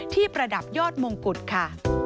ประดับยอดมงกุฎค่ะ